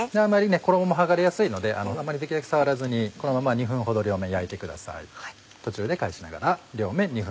衣も剥がれやすいのであんまりできるだけ触らずにこのまま２分ほど両面焼いてください。